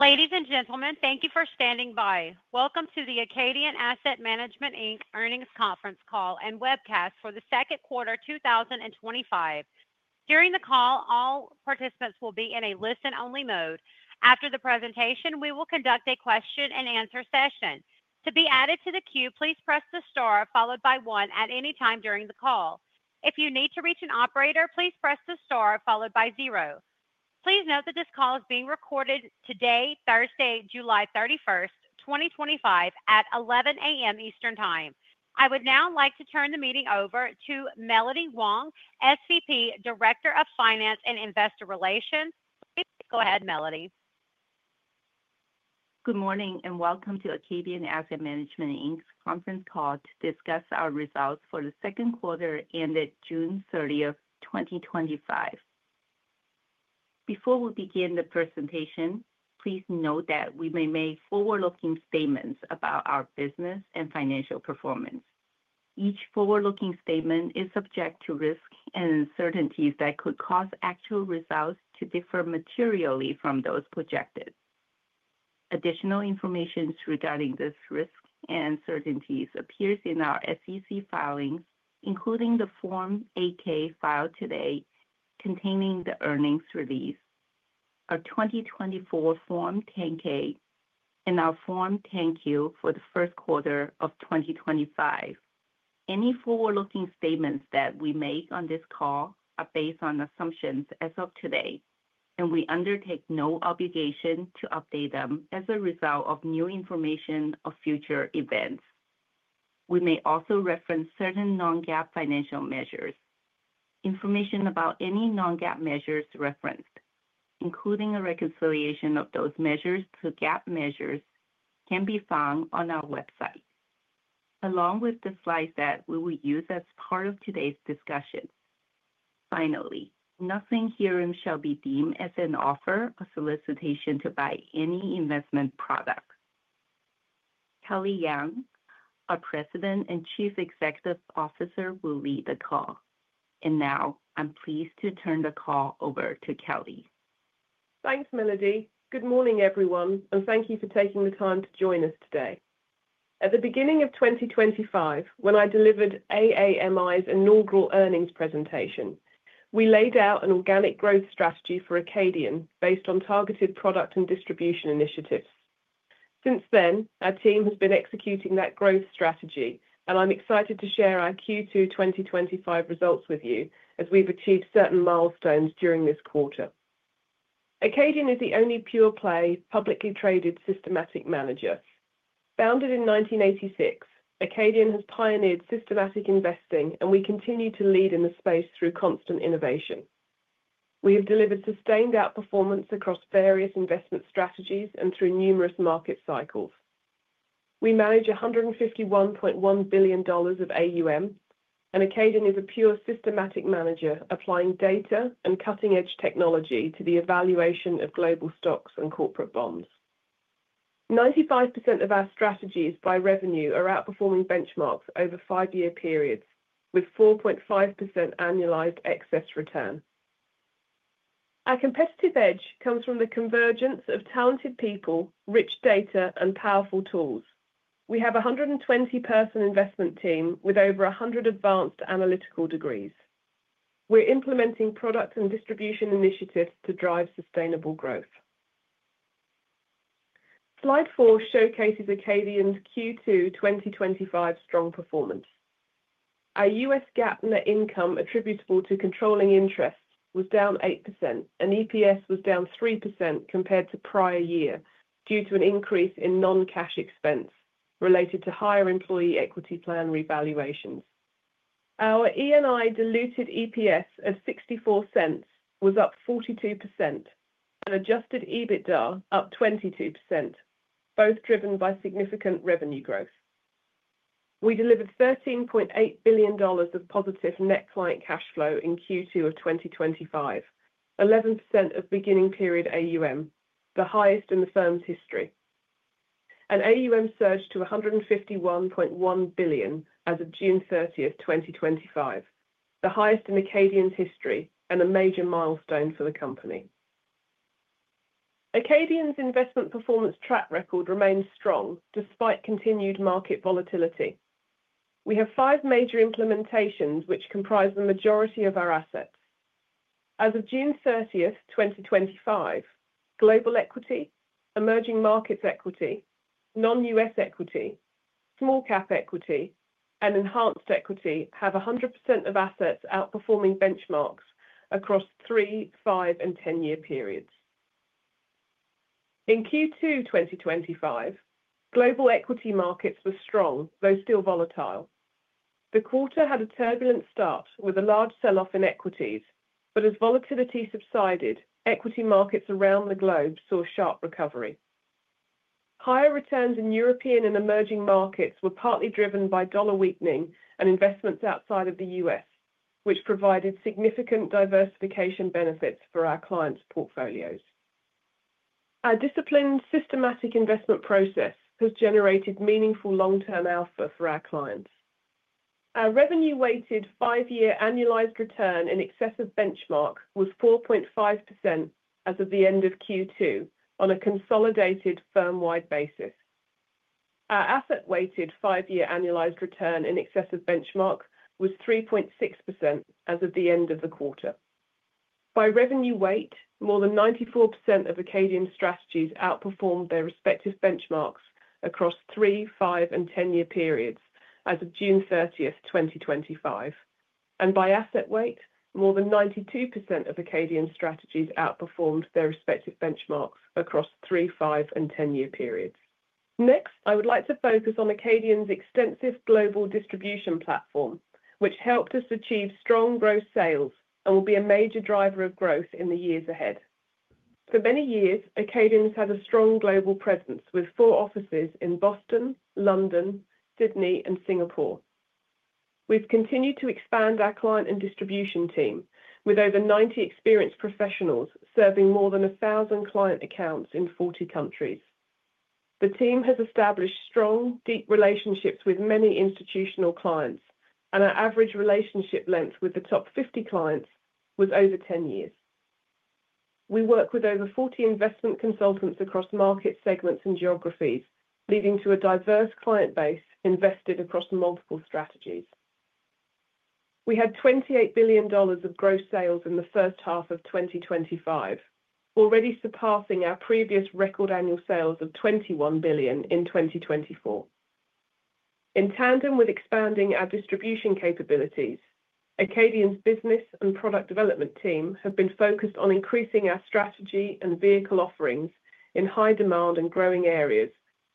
Ladies and gentlement, thank you for standing by. Welcome to the Acadian Asset Management, Inc earnings conference call and webcast for the second quarter 2025. During the call, all participants will be in a listen-only mode. After the presentation, we will conduct a question-and-answer session. To be added to the queue, please press the star followed by one at any time during the call. If you need to reach an operator, please press the star followed by zero. Please note that this call is being recorded today, Thursday, July 31st, 2025, at 11:00 A.M. Eastern Time. I would now like to turn the meeting over to Melody Wong, SVP, Director of Finance and Investor Relations. Please go ahead, Melody. Good morning and welcome to Acadian Asset Management, Inc's conference call to discuss our results for the second quarter ended June 30th, 2025. Before we begin the presentation, please note that we may make forward-looking statements about our business and financial performance. Each forward-looking statement is subject to risks and uncertainties that could cause actual results to differ materially from those projected. Additional information regarding these risks and uncertainties appears in our SEC filings, including the Form 8-K filed today containing the earnings release, our 2024 Form 10-K, and our Form 10-Q for the first quarter of 2025. Any forward-looking statements that we make on this call are based on assumptions as of today, and we undertake no obligation to update them as a result of new information or future events. We may also reference certain non-GAAP financial measures. Information about any non-GAAP measures referenced, including a reconciliation of those measures to GAAP measures, can be found on our website, along with the slides that we will use as part of today's discussion. Finally, nothing herein shall be deemed as an offer or solicitation to buy any investment product. Kelly Young, our President and Chief Executive Officer, will lead the call. I am pleased to turn the call over to Kelly. Thanks, Melody. Good morning, everyone, and thank you for taking the time to join us today. At the beginning of 2025, when I delivered AAMI's inaugural earnings presentation. We laid out an organic growth strategy for Acadian based on targeted product and distribution initiatives. Since then, our team has been executing that growth strategy, and I'm excited to share our Q2 2025 results with you as we've achieved certain milestones during this quarter. Acadian is the only pure-play, publicly-traded systematic manager. Founded in 1986, Acadian has pioneered systematic investing, and we continue to lead in the space through constant innovation. We have delivered sustained outperformance across various investment strategies and through numerous market cycles. We manage $151.1 billion of AUM, and Acadian is a pure systematic manager applying data and cutting-edge technology to the evaluation of global stocks and corporate bonds. 95% of our strategies by revenue are outperforming benchmarks over five-year periods, with 4.5% annualized excess return. Our competitive edge comes from the convergence of talented people, rich data, and powerful tools. We have a 120-person investment team with over 100 advanced analytical degrees. We're implementing product and distribution initiatives to drive sustainable growth. Slide four showcases Acadian's Q2 2025 strong performance. Our U.S. GAAP net income attributable to controlling interest was down 8%, and EPS was down 3% compared to prior year due to an increase in non-cash expense related to higher employee equity plan revaluations. Our E&I diluted EPS at $0.64 was up 42% and Adjusted EBITDA up 22%, both driven by significant revenue growth. We delivered $13.8 billion of positive net client cash flow in Q2 of 2025, 11% of beginning period AUM, the highest in the firm's history. An AUM surge to $151.1 billion as of June 30th, 2025, the highest in Acadian's history and a major milestone for the company. Acadian's investment performance track record remains strong despite continued market volatility. We have five major implementations which comprise the majority of our assets. As of June 30th, 2025, global equity, emerging markets equity, non-US equity, small-cap equity, and enhanced equity have 100% of assets outperforming benchmarks across three, five, and 10-year periods. In Q2 2025, global equity markets were strong, though still volatile. The quarter had a turbulent start with a large sell-off in equities, but as volatility subsided, equity markets around the globe saw sharp recovery. Higher returns in European and emerging markets were partly driven by dollar weakening and investments outside of the U.S., which provided significant diversification benefits for our clients' portfolios. Our disciplined, systematic investment process has generated meaningful long-term alpha for our clients. Our revenue-weighted five-year annualized return in excess of benchmark was 4.5% as of the end of Q2 on a consolidated, firm-wide basis. Our asset-weighted five-year annualized return in excess of benchmark was 3.6% as of the end of the quarter. By revenue weight, more than 94% of Acadian strategies outperformed their respective benchmarks across three, five, and 10-year periods as of June 30th, 2025. By asset weight, more than 92% of Acadian strategies outperformed their respective benchmarks across three, five, and 10-year periods. Next, I would like to focus on Acadian's extensive global distribution platform, which helped us achieve strong gross sales and will be a major driver of growth in the years ahead. For many years, Acadian has had a strong global presence with four offices in Boston, London, Sydney, and Singapore. We've continued to expand our client and distribution team with over 90 experienced professionals serving more than 1,000 client accounts in 40 countries. The team has established strong, deep relationships with many institutional clients, and our average relationship length with the top 50 clients was over 10 years. We work with over 40 investment consultants across market segments and geographies, leading to a diverse client base invested across multiple strategies. We had $28 billion of gross sales in the first half of 2025, already surpassing our previous record annual sales of $21 billion in 2024. In tandem with expanding our distribution capabilities, Acadian's business and product development team have been focused on increasing our strategy and vehicle offerings in high-demand and growing areas,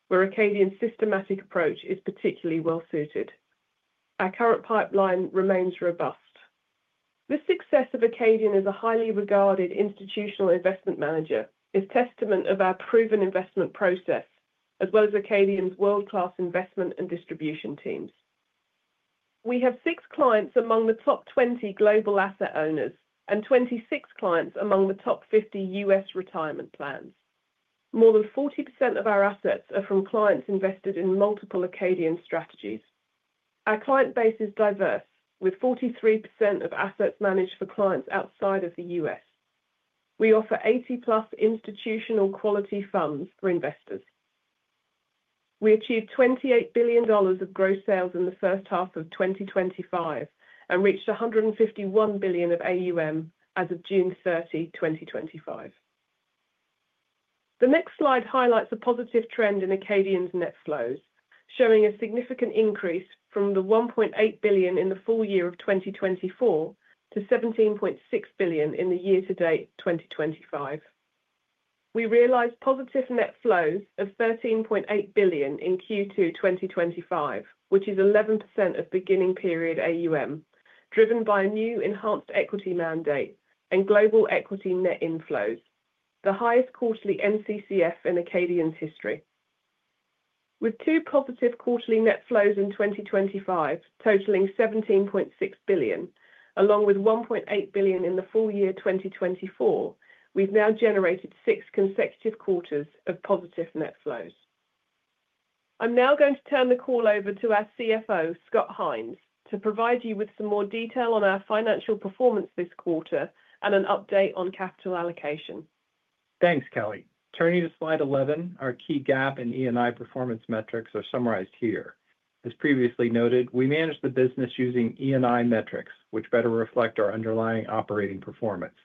where Acadian's systematic approach is particularly well-suited. Our current pipeline remains robust. The success of Acadian as a highly regarded institutional investment manager is a testament to our proven investment process, as well as Acadian's world-class investment and distribution teams. We have six clients among the top 20 global asset owners and 26 clients among the top 50 U.S. retirement plans. More than 40% of our assets are from clients invested in multiple Acadian strategies. Our client base is diverse, with 43% of assets managed for clients outside of the U.S. We offer 80+ institutional quality funds for investors. We achieved $28 billion of gross sales in the first half of 2025 and reached $151 billion of AUM as of June 30, 2025. The next slide highlights a positive trend in Acadian's net flows, showing a significant increase from the $1.8 billion in the full year of 2024 to $17.6 billion in the year-to-date 2025. We realized positive net flows of $13.8 billion in Q2 2025, which is 11% of beginning period AUM, driven by a new enhanced equity mandate and global equity net inflows, the highest quarterly NCCF in Acadian's history. With two positive quarterly net flows in 2025 totaling $17.6 billion, along with $1.8 billion in the full year 2024, we've now generated six consecutive quarters of positive net flows. I'm now going to turn the call over to our CFO, Scott Hines, to provide you with some more detail on our financial performance this quarter and an update on capital allocation. Thanks, Kelly. Turning to slide 11, our key GAAP and E&I performance metrics are summarized here. As previously noted, we manage the business using E&I metrics, which better reflect our underlying operating performance.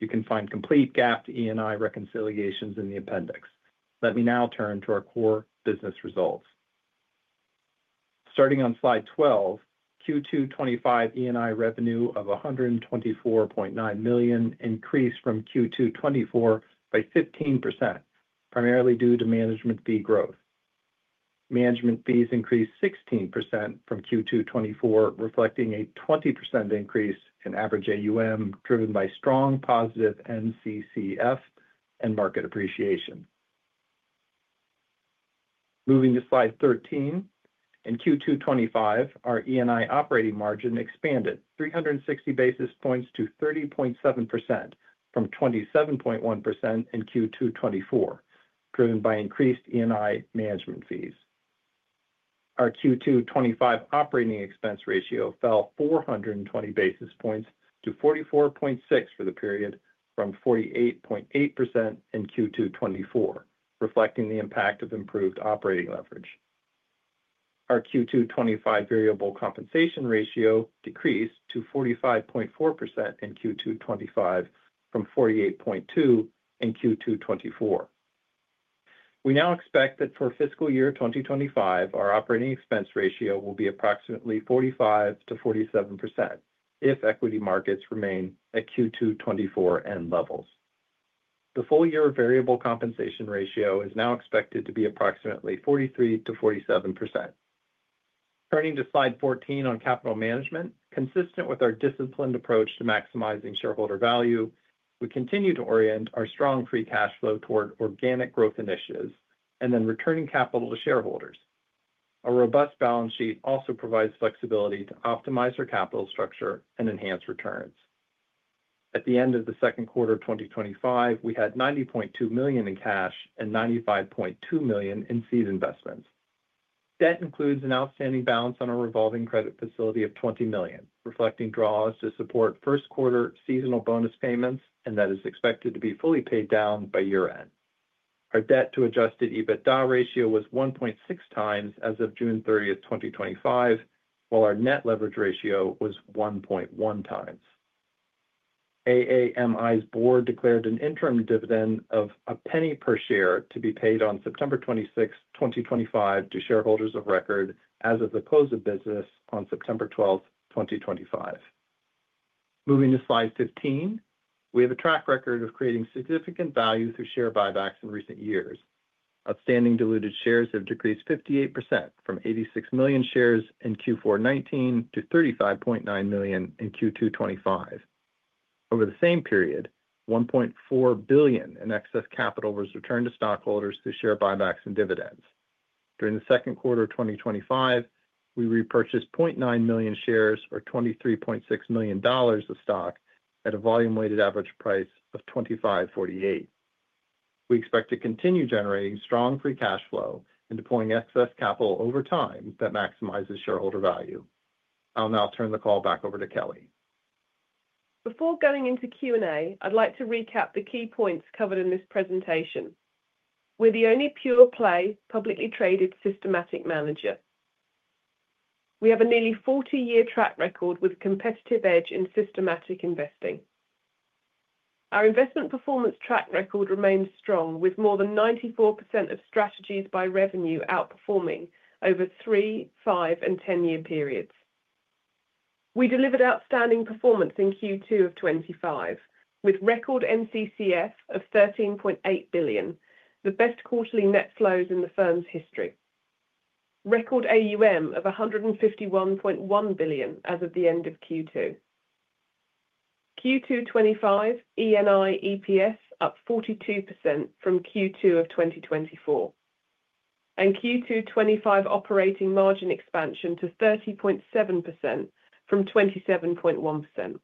You can find complete GAAP to E&I reconciliations in the appendix. Let me now turn to our core business results. Starting on slide 12, Q2 2025 E&I revenue of $124.9 million increased from Q2 2024 by 15%, primarily due to management fee growth. Management fees increased 16% from Q2 2024, reflecting a 20% increase in average AUM, driven by strong positive NCCF and market appreciation. Moving to slide 13, in Q2 2025, our E&I operating margin expanded 360 basis points to 30.7% from 27.1% in Q2 2024, driven by increased E&I management fees. Our Q2 2025 operating expense ratio fell 420 basis points to 44.6% for the period from 48.8% in Q2 2024, reflecting the impact of improved operating leverage. Our Q2 2025 variable compensation ratio decreased to 45.4% in Q2 2025 from 48.2% in Q2 2024. We now expect that for fiscal year 2025, our operating expense ratio will be approximately 45%-47% if equity markets remain at Q2 2024 end levels. The full year variable compensation ratio is now expected to be approximately 43%-47%. Turning to slide 14 on capital management, consistent with our disciplined approach to maximizing shareholder value, we continue to orient our strong free cash flow toward organic growth initiatives and then returning capital to shareholders. A robust balance sheet also provides flexibility to optimize our capital structure and enhance returns. At the end of the second quarter of 2025, we had $90.2 million in cash and $95.2 million in seed investments. Debt includes an outstanding balance on our revolving credit facility of $20 million, reflecting draws to support first-quarter seasonal bonus payments and that is expected to be fully paid down by year-end. Our debt-to-Adjusted EBITDA ratio was 1.6x as of June 30, 2025, while our net leverage ratio was 1.1x. AAMI's board declared an interim dividend of $0.01 per share to be paid on September 26, 2025, to shareholders of record as of the close of business on September 12, 2025. Moving to slide 15, we have a track record of creating significant value through share buybacks in recent years. Outstanding diluted shares have decreased 58% from $86 million shares in Q4 2019 to $35.9 million in Q2 2025. Over the same period, $1.4 billion in excess capital was returned to stockholders through share buybacks and dividends. During the second quarter of 2025, we repurchased $0.9 million shares, or $23.6 million of stock, at a volume-weighted average price of $25.48. We expect to continue generating strong free cash flow and deploying excess capital over time that maximizes shareholder value. I'll now turn the call back over to Kelly. Before going into Q&A, I'd like to recap the key points covered in this presentation. We're the only pure-play, publicly-traded systematic manager. We have a nearly 40-year track record with a competitive edge in systematic investing. Our investment performance track record remains strong, with more than 94% of strategies by revenue outperforming over three, five, and 10-year periods. We delivered outstanding performance in Q2 of 2025, with record NCCF of $13.8 billion, the best quarterly net flows in the firm's history. Record AUM of $151.1 billion as of the end of Q2. Q2 2025 E&I EPS up 42% from Q2 of 2024, and Q2 2025 operating margin expansion to 30.7% from 27.1%.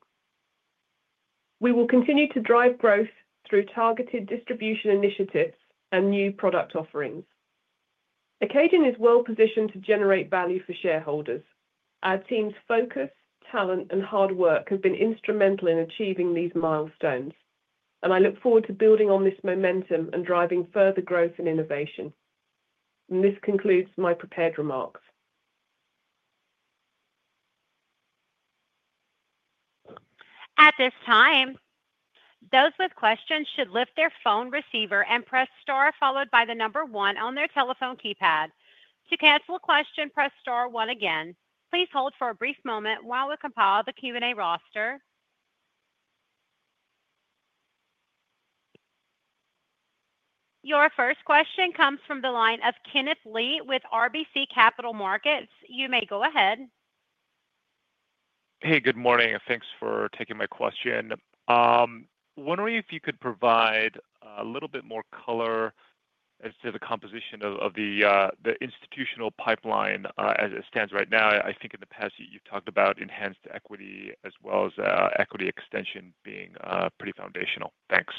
We will continue to drive growth through targeted distribution initiatives and new product offerings. Acadian is well-positioned to generate value for shareholders. Our team's focus, talent, and hard work have been instrumental in achieving these milestones. I look forward to building on this momentum and driving further growth and innovation. This concludes my prepared remarks. At this time, those with questions should lift their phone receiver and press star followed by the number one on their telephone keypad. To cancel a question, press star one again. Please hold for a brief moment while we compile the Q&A roster. Your first question comes from the line of Kenneth Lee with RBC Capital Markets. You may go ahead. Hey, good morning, and thanks for taking my question. I'm wondering if you could provide a little bit more color as to the composition of the institutional pipeline as it stands right now. I think in the past, you've talked about enhanced equity as well as extension strategies being pretty foundational. Thanks.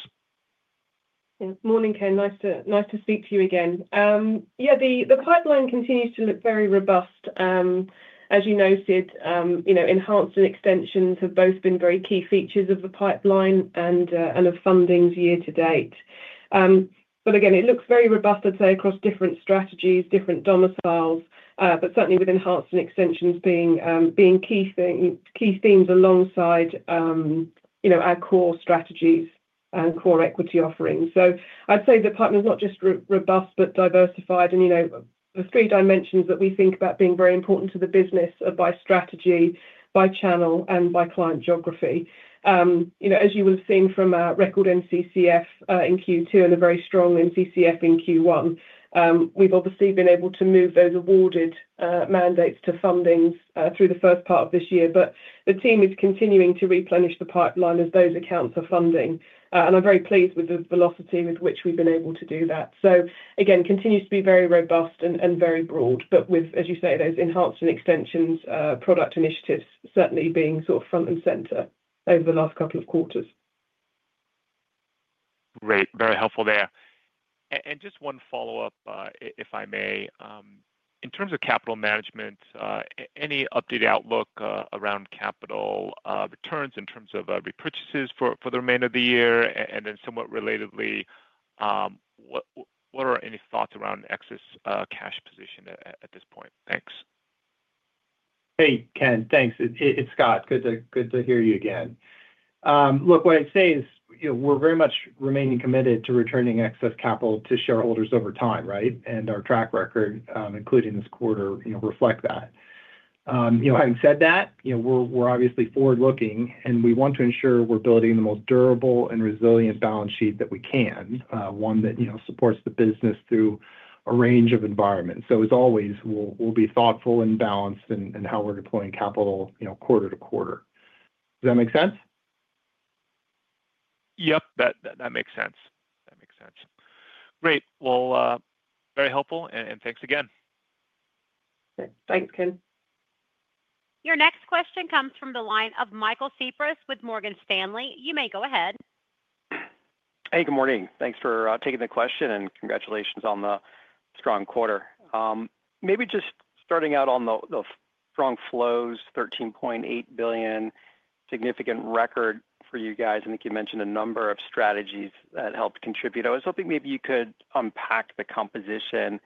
Yeah. Morning, Ken. Nice to speak to you again. The pipeline continues to look very robust. As you know, enhanced and textension have both been very key features of the pipeline and of fundings year-to-date. It looks very robust, I'd say, across different strategies, different domiciles, but certainly with enhanced extension being key themes alongside our core strategies and core equity offerings. I'd say the pipeline is not just robust but diversified. The three dimensions that we think about being very important to the business are by strategy, by channel, and by client geography. As you will have seen from our record NCCF in Q2 and a very strong NCCF in Q1, we've obviously been able to move those awarded mandates to fundings through the first part of this year. The team is continuing to replenish the pipeline of those accounts of funding. I'm very pleased with the velocity with which we've been able to do that. It continues to be very robust and very broad, with those enhanced equity strategies and extension strategies product initiatives certainly being front and center over the last couple of quarters. Great. Very helpful there. Just one follow-up, if I may. In terms of capital management, any updated outlook around capital returns in terms of repurchases for the remainder of the year? Somewhat relatedly, what are any thoughts around excess cash position at this point? Thanks. Hey, Ken. Thanks. It's Scott. Good to hear you again. What I'd say is, you know, we're very much remaining committed to returning excess capital to shareholders over time, right? Our track record, including this quarter, reflects that. Having said that, we're obviously forward-looking, and we want to ensure we're building the most durable and resilient balance sheet that we can, one that supports the business through a range of environments. As always, we'll be thoughtful and balanced in how we're deploying capital, quarter to quarter. Does that make sense? That makes sense. Great, very helpful, and thanks again. Thanks, Ken. Your next question comes from the line of Michael Cyprys with Morgan Stanley. You may go ahead. Hey, good morning. Thanks for taking the question and congratulations on the strong quarter. Maybe just starting out on the strong flows, $13.8 billion, significant record for you guys. I think you mentioned a number of strategies that helped contribute. I was hoping maybe you could unpack the composition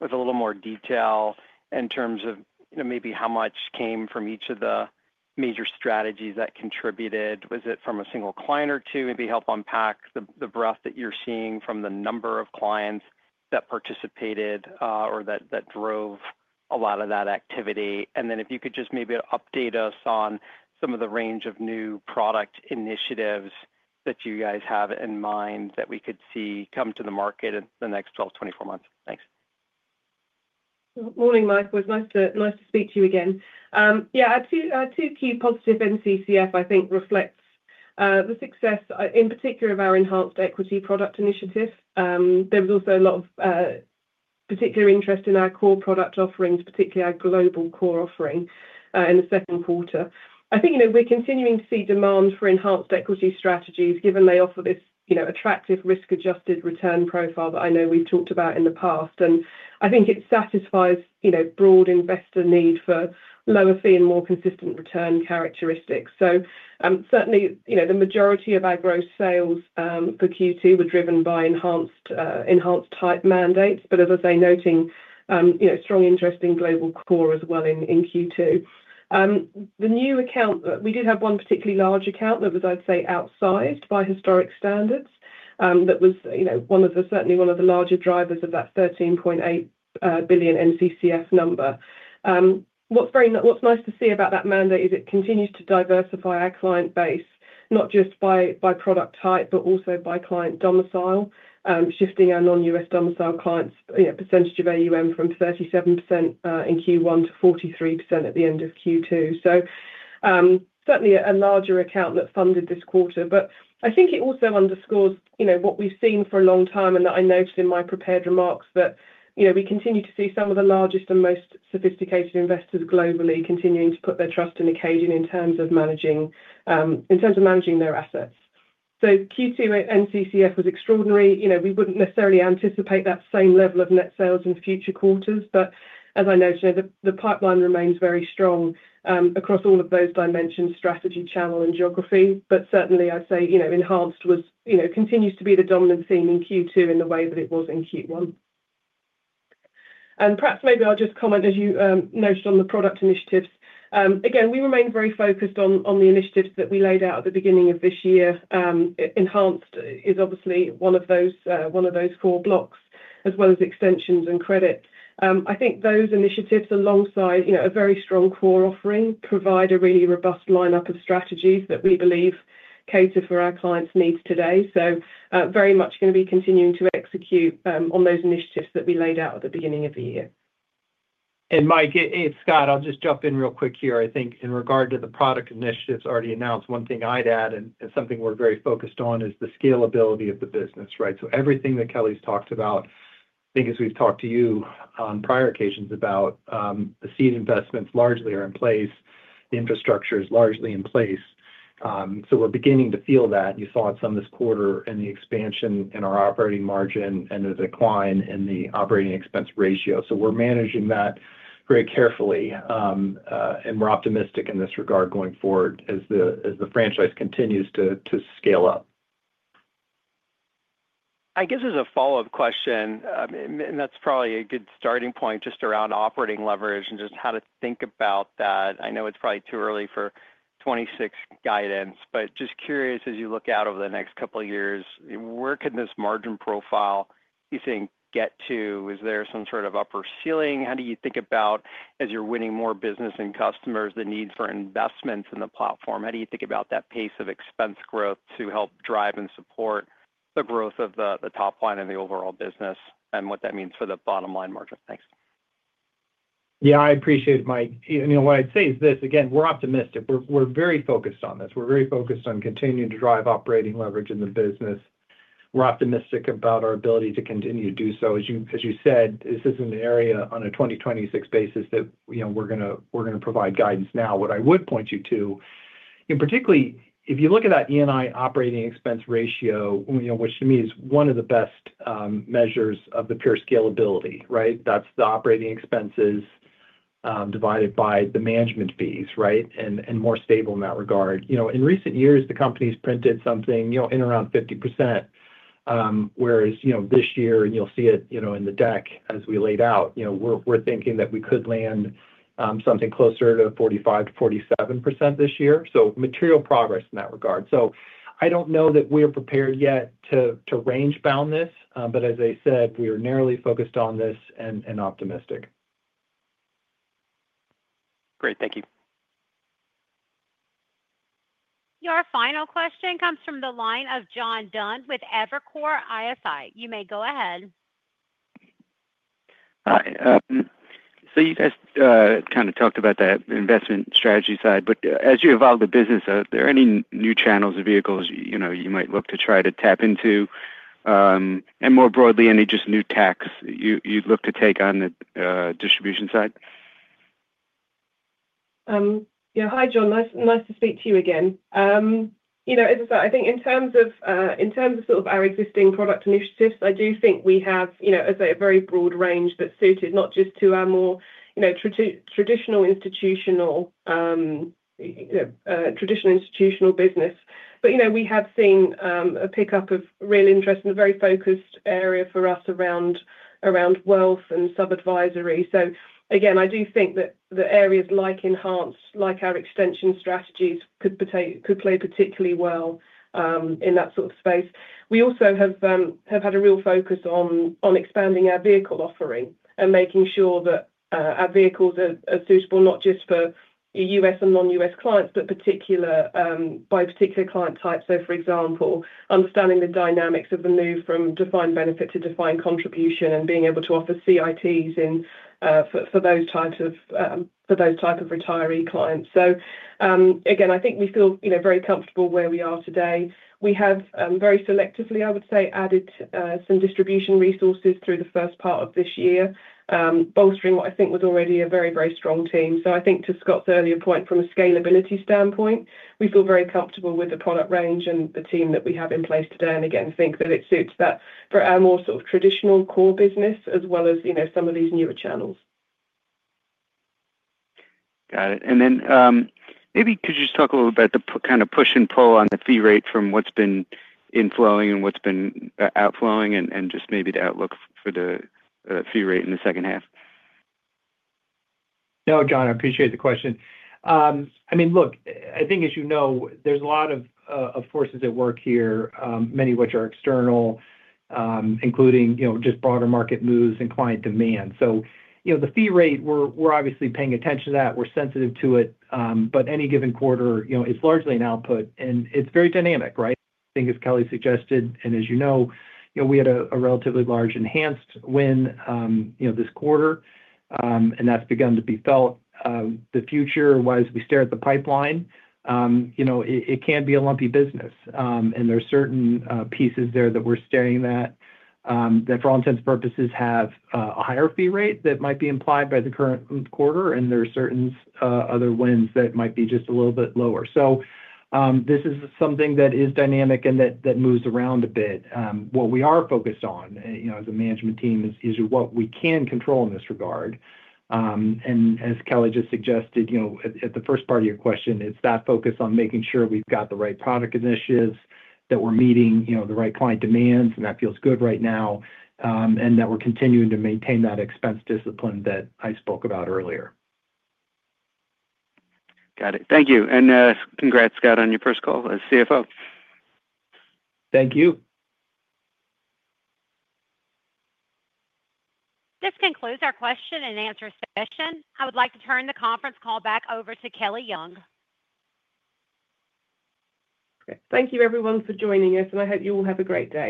with a little more detail in terms of, you know, maybe how much came from each of the major strategies that contributed. Was it from a single client or two? Maybe help unpack the breadth that you're seeing from the number of clients that participated or that drove a lot of that activity. If you could just maybe update us on some of the range of new product initiatives that you guys have in mind that we could see come to the market in the next 20-24 months. Thanks. Morning, Mike. It's nice to speak to you again. Our two key positive NCCF, I think, reflect the success, in particular, of our enhanced equity product initiative. There was also a lot of particular interest in our core product offerings, particularly our global core offering in the second quarter. I think we're continuing to see demand for enhanced equity strategies given they offer this attractive risk-adjusted return profile that I know we've talked about in the past. I think it satisfies broad investor need for lower fee and more consistent return characteristics. Certainly, the majority of our gross sales for Q2 were driven by enhanced equity type mandates, noting strong interest in global core as well in Q2. The new account, we did have one particularly large account that was, I'd say, outsized by historic standards. That was certainly one of the larger drivers of that $13.8 billion NCCF number. What's nice to see about that mandate is it continues to diversify our client base, not just by product type, but also by client domicile, shifting our non-U.S. domicile clients' percentage of AUM from 37% in Q1 to 43% at the end of Q2. Certainly, a larger account that funded this quarter. I think it also underscores what we've seen for a long time and that I noticed in my prepared remarks, that we continue to see some of the largest and most sophisticated investors globally continuing to put their trust in Acadian in terms of managing their assets. Q2 NCCF was extraordinary. We wouldn't necessarily anticipate that same level of net sales in future quarters, but as I noted, the pipeline remains very strong across all of those dimensions, strategy, channel, and geography. Certainly, I'd say enhanced was, continues to be the dominant theme in Q2 in the way that it was in Q1. Perhaps maybe I'll just comment, as you noted, on the product initiatives. Again, we remain very focused on the initiatives that we laid out at the beginning of this year. Enhanced is obviously one of those core blocks, as well as extensions and credit. I think those initiatives alongside a very strong core offering provide a really robust lineup of strategies that we believe cater for our clients' needs today. Very much going to be continuing to execute on those initiatives that we laid out at the beginning of the year. Mike, Scott, I'll just jump in real quick here. I think in regard to the product initiatives already announced, one thing I'd add and something we're very focused on is the scalability of the business, right? Everything that Kelly's talked about, I think as we've talked to you on prior occasions about, the seed investments largely are in place. The infrastructure is largely in place. We're beginning to feel that. You saw it some this quarter in the expansion in our operating margin and the decline in the operating expense ratio. We're managing that very carefully. We're optimistic in this regard going forward as the franchise continues to scale up. I guess as a follow-up question, and that's probably a good starting point just around operating leverage and just how to think about that. I know it's probably too early for 2026 guidance, but just curious as you look out over the next couple of years, where can this margin profile you think get to? Is there some sort of upper ceiling? How do you think about, as you're winning more business and customers, the need for investments in the platform? How do you think about that pace of expense growth to help drive and support the growth of the top line in the overall business and what that means for the bottom line margin? Thanks. Yeah, I appreciate it, Mike. What I'd say is this. Again, we're optimistic. We're very focused on this. We're very focused on continuing to drive operating leverage in the business. We're optimistic about our ability to continue to do so. As you said, this is an area on a 2026 basis that we're going to provide guidance now. What I would point you to, particularly if you look at that E&I operating expense ratio, which to me is one of the best measures of the pure scalability, right? That's the operating expenses divided by the management fees, right? It's more stable in that regard. In recent years, the company's printed something in around 50%, whereas this year, and you'll see it in the deck as we laid out, we're thinking that we could land something closer to 45%-47% this year. Material progress in that regard. I don't know that we're prepared yet to range-bound this, but as I said, we are narrowly focused on this and optimistic. Great, thank you. Your final question comes from the line of John Dunn with Evercore ISI. You may go ahead. You guys kind of talked about that investment strategy side, but as you evolve the business, are there any new channels or vehicles you might look to try to tap into? More broadly, any just new tacks you'd look to take on the distribution side? Yeah. Hi, John. Nice to speak to you again. As I said, I think in terms of our existing product initiatives, I do think we have, as I say, a very broad range that's suited not just to our more traditional institutional business, but we have seen a pickup of real interest in a very focused area for us around wealth and sub-advisory. I do think that areas like enhanced, like our extension strategies could play particularly well in that sort of space. We also have had a real focus on expanding our vehicle offering and making sure that our vehicles are suitable not just for U.S. and non-U.S. clients, but by particular client types. For example, understanding the dynamics of the move from defined benefit to defined contribution and being able to offer CITs for those types of retiree clients. I think we feel very comfortable where we are today. We have very selectively, I would say, added some distribution resources through the first part of this year, bolstering what I think was already a very, very strong team. I think to Scott's earlier point, from a scalability standpoint, we feel very comfortable with the product range and the team that we have in place today. I think that it suits that for our more traditional core business as well as some of these newer channels. Could you just talk a little bit about the kind of push and pull on the fee rate from what's been inflowing and what's been outflowing, and just maybe the outlook for the fee rate in the second half? No, John, I appreciate the question. I mean, look, I think as you know, there's a lot of forces at work here, many of which are external, including just broader market moves and client demand. The fee rate, we're obviously paying attention to that. We're sensitive to it. Any given quarter, it's largely an output, and it's very dynamic, right? I think as Kelly suggested, and as you know, we had a relatively large enhanced win this quarter, and that's begun to be felt. The future, as we stare at the pipeline, it can be a lumpy business. There are certain pieces there that we're staring at that for all intents and purposes have a higher fee rate that might be implied by the current quarter, and there are certain other wins that might be just a little bit lower. This is something that is dynamic and that moves around a bit. What we are focused on as a management team is what we can control in this regard. As Kelly just suggested at the first part of your question, it's that focus on making sure we've got the right product initiatives, that we're meeting the right client demands, and that feels good right now, and that we're continuing to maintain that expense discipline that I spoke about earlier. Got it. Thank you, and congrats, Scott, on your first call as CFO. Thank you. This concludes our question-and-answer session. I would like to turn the conference call back over to Kelly Young. Okay. Thank you, everyone, for joining us, and I hope you all have a great day.